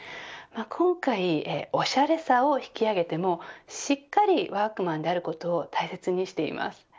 今回おしゃれさを引き上げてもしっかりワークマンであることを大切にしています。